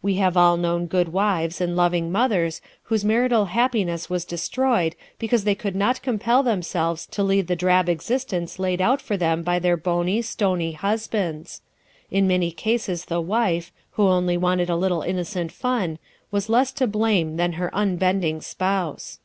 We have all known good wives and loving mothers whose marital happiness was destroyed because they could not compel themselves to lead the drab existence laid out for them by their bony, stony husbands. In many cases the wife, who only wanted a little innocent fun, was less to blame than her unbending spouse.